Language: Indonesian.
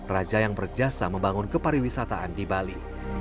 raja yang berjasa membangun kepariwisataan di bali